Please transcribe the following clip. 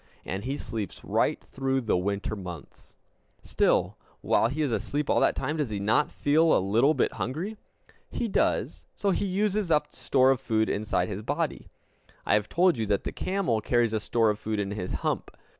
And he sleeps right through the winter months! Still, while he is asleep all that time, does he not feel a little bit hungry? He does. So he uses up the store of food inside his body! I have told you that the camel carries a store of food in his hump.